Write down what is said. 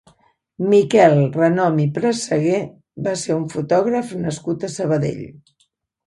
Miquel Renom i Presseguer va ser un fotògraf nascut a Sabadell.